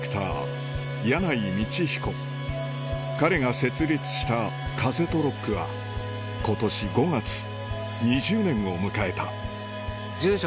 彼が設立した「風とロック」は今年５月２０年を迎えた住所